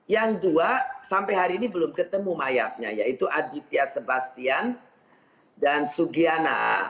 yang dua sampai hari ini belum ketemu mayatnya yaitu aditya sebastian dan sugiana